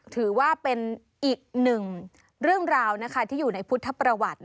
ถือว่าเป็นอีกหนึ่งเรื่องราวที่อยู่ในพุทธประวัติ